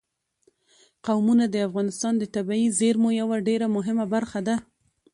قومونه د افغانستان د طبیعي زیرمو یوه ډېره مهمه برخه ده.